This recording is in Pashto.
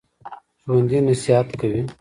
ژوندي نصیحت کوي